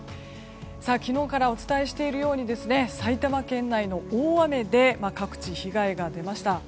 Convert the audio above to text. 昨日からお伝えしていますように埼玉県内の大雨で各地被害が出ました。